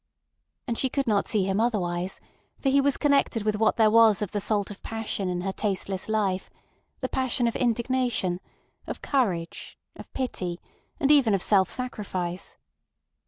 And she could not see him otherwise, for he was connected with what there was of the salt of passion in her tasteless life—the passion of indignation, of courage, of pity, and even of self sacrifice.